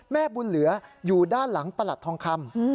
แม่บุญเหลืออยู่ด้านหลังประหลัดทองคำ